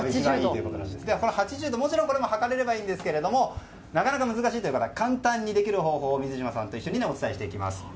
この８０度、もちろんこれも測れればいいんですがなかなか難しいという方は簡単にできる方法を水嶋さんと一緒にお伝えしていきます。